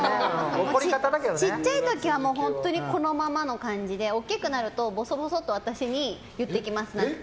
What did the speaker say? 小さい時は本当にこのままの感じで大きくなるとボソボソと私に言ってきます。